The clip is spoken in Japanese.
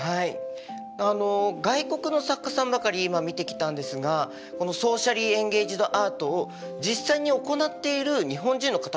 あの外国の作家さんばかり今見てきたんですがこのソーシャリー・エンゲイジド・アートを実際に行っている日本人の方もいらっしゃるんですか？